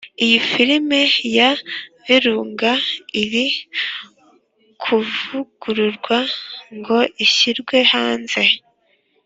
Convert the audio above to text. iyi filime ya Virunga, iri kuvugururwa ngo ishyirwe hanze.